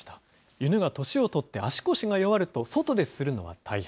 犬が年をとって足腰が弱ると、外でするのは大変。